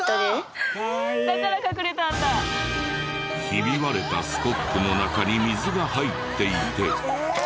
ひび割れたスコップの中に水が入っていて。